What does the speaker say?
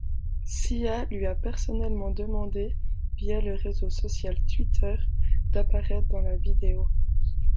Sia lui a personnellement demandé, via le réseau social Twitter, d’apparaître dans la vidéo.